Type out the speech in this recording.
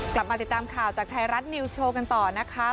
กลับมาติดตามข่าวจากไทยรัฐนิวส์โชว์กันต่อนะคะ